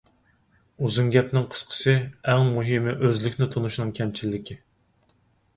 ئۇزۇن گەپنىڭ قىسقىسى، ئەڭ مۇھىمى ئۆزلۈكنى تونۇشنىڭ كەمچىللىكى.